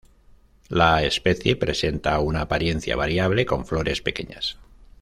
La especie presenta una apariencia variable con flores pequeñas.